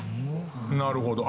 なるほど。